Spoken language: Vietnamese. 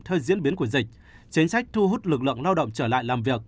theo diễn biến của dịch chính sách thu hút lực lượng lao động trở lại làm việc